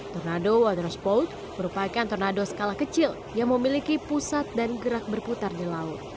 tornado water sport merupakan tornado skala kecil yang memiliki pusat dan gerak berputar di laut